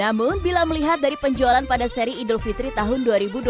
namun bila melihat dari penjualan pada seri idofitri tahun dua ribu dua puluh dua